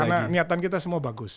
karena niatan kita semua bagus